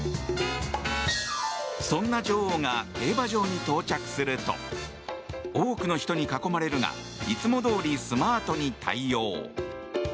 そんな女王が競馬場に到着すると多くの人に囲まれるがいつもどおりスマートに対応。